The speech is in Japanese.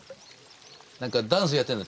何かダンスやってんだって？